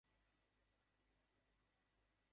এটি অসম্ভব।